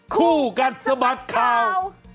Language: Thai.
คู่กันสมัครข่าว